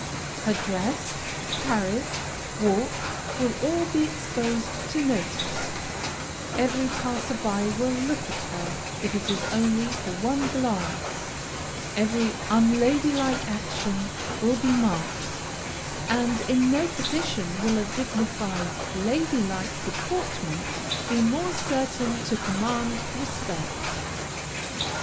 Her dress, carriage, walk, will all be exposed to notice; every passer by will look at her, if it is only for one glance; every unlady like action will be marked; and in no position will a dignified, lady like deportment be more certain to command respect.